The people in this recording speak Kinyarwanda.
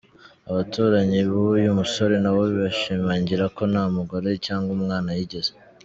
Abaturanyi b’uyu musore nabo bashimangira ko nta mugore cyangwa umwana yigeze.